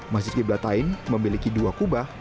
masjid qiblat tain memiliki dua kubah